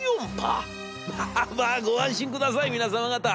『まあまあご安心下さい皆様方。